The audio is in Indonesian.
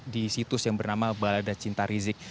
di situs yang bernama badacinta rizik